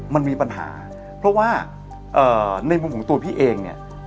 มันมีปัญหาเพราะว่าในมุมของตัวพี่เองเนี่ย